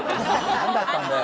なんだったんだよ！